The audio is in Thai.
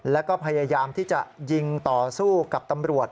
แล้วก็พยายามที่จะยิงต่อสู้กับตำรวจ